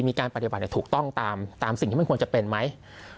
มีการปฏิบัติถูกต้องตามสิ่งที่มันควรจะเป็นไหม